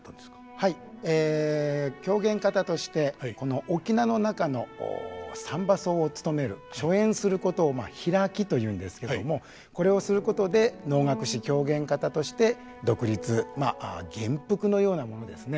はい狂言方としてこの「翁」の中の「三番叟」をつとめる初演することを「披き」というんですけどもこれをすることで能楽師狂言方として独立まあ元服のようなものですね。